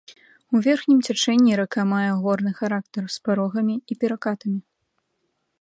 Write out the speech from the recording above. У верхнім цячэнні рака мае горны характар, з парогамі і перакатамі.